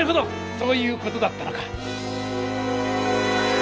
そういう事だったのか！